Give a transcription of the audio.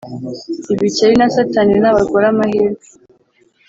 ibikeri na satani nabagore-amahirwe,